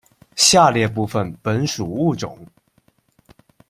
下列部分本属物种：